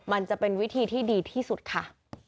มันจะเป็นวิธีที่ดีที่สุดค่ะ